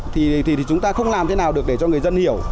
thì chúng ta không làm thế nào được để cho người dân hiểu